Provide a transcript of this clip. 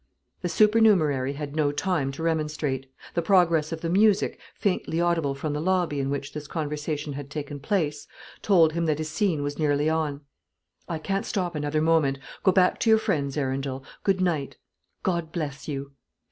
The supernumerary had no time to remonstrate. The progress of the music, faintly audible from the lobby in which this conversation had taken place, told him that his scene was nearly on. "I can't stop another moment. Go back to your friends, Arundel. Good night. God bless you!"